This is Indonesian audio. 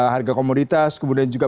harga komoditas kemudian juga